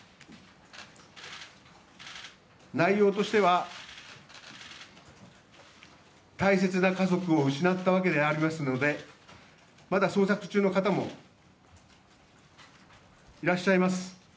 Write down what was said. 内容としては、大切な家族を失ったわけではありますのでまだ捜索中の方もいらっしゃいます。